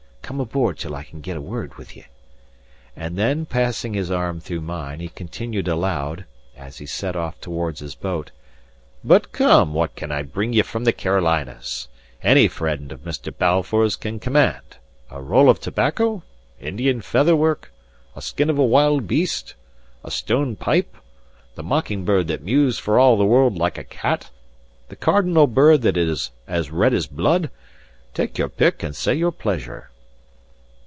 Come aboard till I can get a word with ye." And then, passing his arm through mine, he continued aloud, as he set off towards his boat: "But, come, what can I bring ye from the Carolinas? Any friend of Mr. Balfour's can command. A roll of tobacco? Indian feather work? a skin of a wild beast? a stone pipe? the mocking bird that mews for all the world like a cat? the cardinal bird that is as red as blood? take your pick and say your pleasure."